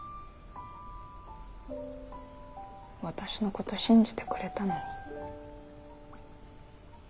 私のこと信じてくれたのに。